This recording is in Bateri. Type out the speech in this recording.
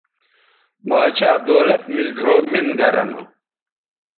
باچھا دولت میل ڙھؤ مِن گرہ نو